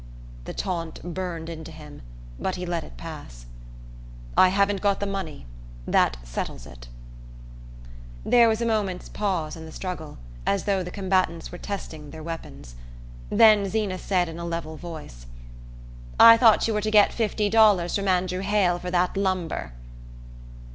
The taunt burned into him, but he let it pass. "I haven't got the money. That settles it." There was a moment's pause in the struggle, as though the combatants were testing their weapons. Then Zeena said in a level voice: "I thought you were to get fifty dollars from Andrew Hale for that lumber."